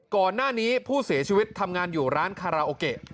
ก่อนหน้านี้ผู้เสียชีวิตทำงานอยู่ร้านคาราโอเกะ